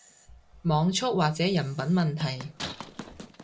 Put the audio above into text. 網速或者人品問題